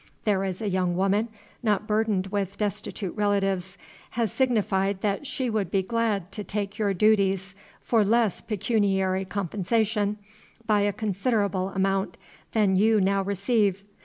There is a young woman, not burdened with destitute relatives, has signified that she would be glad to take your dooties for less pecooniary compensation, by a consid'able amaount, than you now receive.